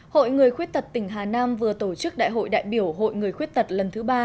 hội người khuyết tật tỉnh hà nam vừa tổ chức đại hội đại biểu hội người khuyết tật lần thứ ba